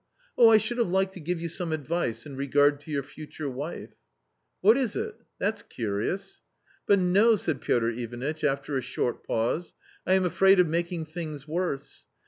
" Oh, I should have liked to give you some advice in regard to your future wife." " What is it ? That's curious." " But no," said Piotr Ivanitch, after a short pause. " I am afraid of making things worse.